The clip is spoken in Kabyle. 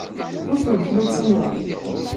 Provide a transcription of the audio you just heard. Ur asen-sslufuyeɣ.